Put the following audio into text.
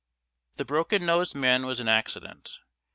The broken nosed man was an accident.